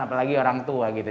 apalagi orang tua gitu